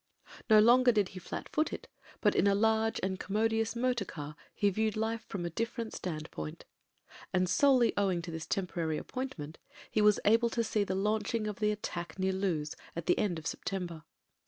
No longer did he flat foot it, but in a large and commodious motor car he viewed life from a different standpoint. And, solely owing to this temporary appointment, he was able to see the launching of the attack near Loos at the end of Sq> tember.